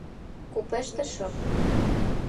Купеште шып.